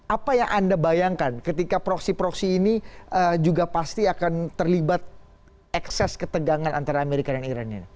apa yang anda bayangkan ketika proksi proksi ini juga pasti akan terlibat ekses ketegangan antara amerika dan iran ini